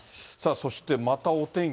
そしてまたお天気